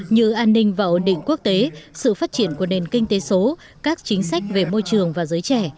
như an ninh và ổn định quốc tế sự phát triển của nền kinh tế số các chính sách về môi trường và giới trẻ